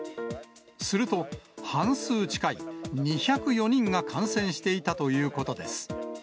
すると、半数近い２０４人が感染していたということです。